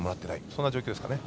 そんな状況ですかね。